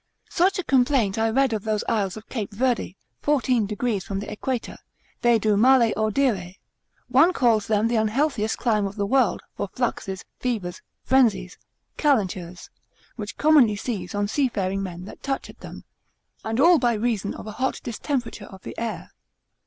Such a complaint I read of those isles of Cape Verde, fourteen degrees from the Equator, they do male audire: One calls them the unhealthiest clime of the world, for fluxes, fevers, frenzies, calentures, which commonly seize on seafaring men that touch at them, and all by reason of a hot distemperature of the air.